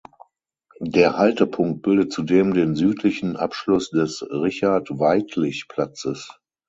Der Haltepunkt bildet zudem den südlichen Abschluss des "Richard-Weidlich-Platzes".